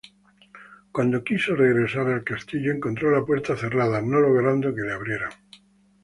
Cuando quiso regresar al castillo encontró la puerta cerrada, no logrando que le abrieran.